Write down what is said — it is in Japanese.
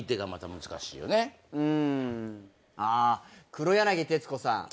黒柳徹子さん。